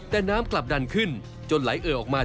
แต่น้ำกลับดันขึ้นจนไหลเอ่อออกมา